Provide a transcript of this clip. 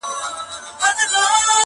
چي در معلوم شي د درمن زړګي حالونه!